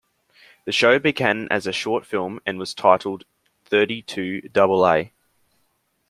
The show began as a short film and was titled "Thirty-Two Double A".